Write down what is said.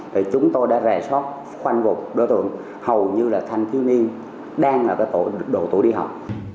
thì chúng tôi đã rè sót khoanh vụt đối tượng hầu như là thanh thiếu niên đang ở cái độ tuổi đi học